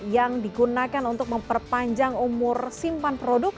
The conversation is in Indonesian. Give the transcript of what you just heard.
yang digunakan untuk memperpanjang umur simpan produk